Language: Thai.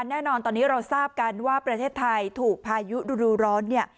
แน่นอนตอนนี้เราทราบกันว่าประเทศไทยถูกพายุดูร้อนเนี่ย